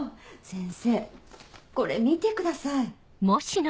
先生これ見てください。